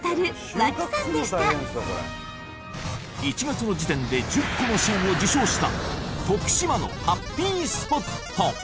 １月の時点で１０個の賞を受賞した徳島のハッピースポット。